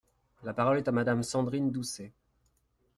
La parole est à Madame Sandrine Doucet.